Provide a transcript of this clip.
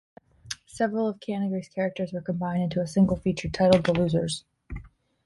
Several of Kanigher's characters were combined into a single feature titled "The Losers".